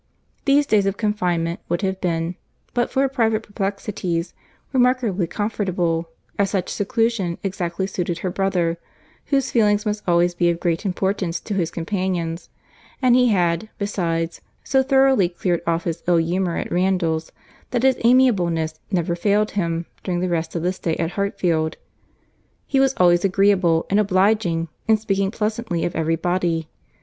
These days of confinement would have been, but for her private perplexities, remarkably comfortable, as such seclusion exactly suited her brother, whose feelings must always be of great importance to his companions; and he had, besides, so thoroughly cleared off his ill humour at Randalls, that his amiableness never failed him during the rest of his stay at Hartfield. He was always agreeable and obliging, and speaking pleasantly of every body.